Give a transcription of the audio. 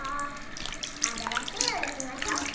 あたらしいのにしましょ。